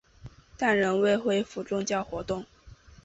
但仍未恢复宗教活动。